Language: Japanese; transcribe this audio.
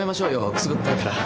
くすぐったいから。